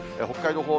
北海道